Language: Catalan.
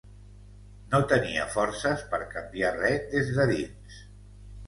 No tenia forces per canviar res des de dins.